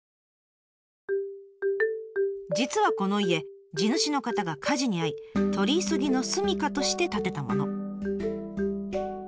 実はこの家地主の方が火事に遭い取り急ぎの住みかとして建てたもの。